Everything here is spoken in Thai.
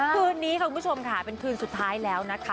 คืนนี้ค่ะคุณผู้ชมค่ะเป็นคืนสุดท้ายแล้วนะคะ